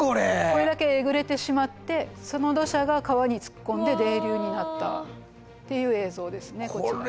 これだけえぐれてしまってその土砂が川に突っ込んで泥流になったっていう映像ですねこちら。